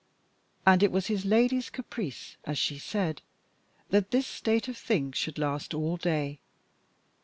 And it was his lady's caprice, as she said, that this state of things should last all day.